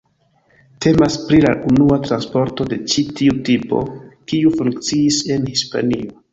Temas pri la unua transporto de ĉi tiu tipo, kiu funkciis en Hispanio.